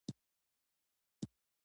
مومن خان له ولس سره خورا ښه کول.